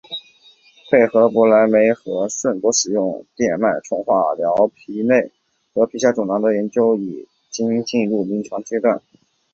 配合博莱霉素和顺铂使用电脉冲化疗治疗皮内和皮下肿瘤的研究已经进入临床阶段。